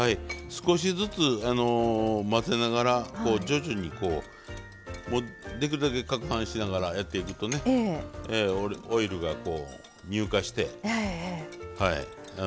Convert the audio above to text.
少しずつ混ぜながら徐々にできるだけかくはんしながらやっていくとねオイルが乳化してとろっとしますんでね。